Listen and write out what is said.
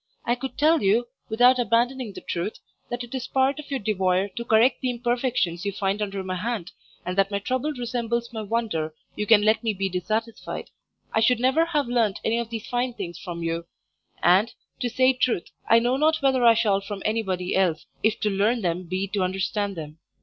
I could tell you, without abandoning the truth, that it is part of your devoyre to correct the imperfections you find under my hand, and that my trouble resembles my wonder you can let me be dissatisfied. I should never have learnt any of these fine things from you; and, to say truth, I know not whether I shall from anybody else, if to learn them be to understand them.